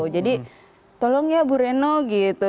jadi tolong ya bu reno gitu